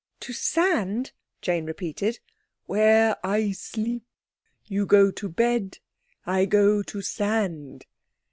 "To sand?" Jane repeated. "Where I sleep. You go to bed. I go to sand."